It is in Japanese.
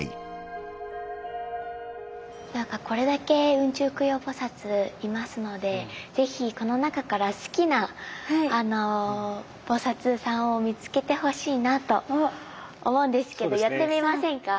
これだけ雲中供養菩いますので是非この中から好きな菩さんを見つけてほしいなと思うんですけどやってみませんか？